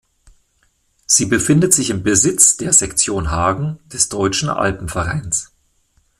Sie befindet sich im Besitz der Sektion Hagen des Deutschen Alpenvereins.